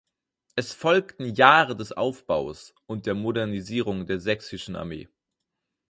Es folgten Jahre des Aufbaus und der Modernisierung der sächsischen Armee.